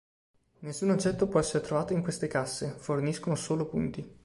Nessun oggetto può essere trovato in queste casse, forniscono solo punti.